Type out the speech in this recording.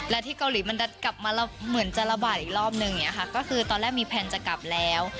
และที่เกาหลีมันกลับมาเหมือนจะระบาดอีกรอบนึงอย่างนี้ค่ะก็คือตอนแรกมีแพลนจะกลับแล้ว